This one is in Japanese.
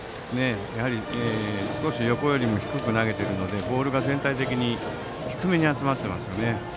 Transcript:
やはり少し横よりも低く投げているのでボールが全体的に低めに集まっていますね。